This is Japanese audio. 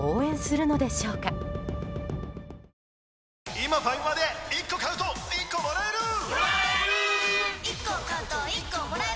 今ファミマで１個買うと１個もらえるもらえるっ！！